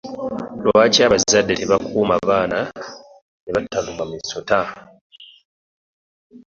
Lwaki abazade tebakuuma baana nebatalumwa misota.